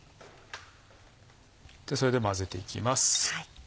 それで混ぜていきます。